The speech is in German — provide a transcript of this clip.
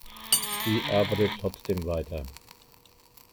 Sie arbeitet trotzdem weiter.